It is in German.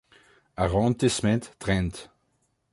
Arrondissement trennt.